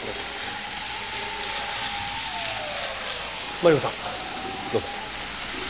マリコさんどうぞ。